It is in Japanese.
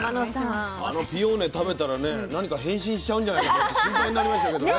あのピオーネ食べたらね何か変身しちゃうんじゃないかと思って心配になりましたけどね。